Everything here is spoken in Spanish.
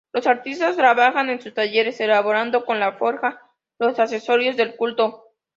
Los artistas trabajan en sus talleres elaborando con la forja los accesorios de culto.